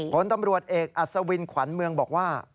ผลตำรวจเอกอัศวินขวัญเมืองบอกว่า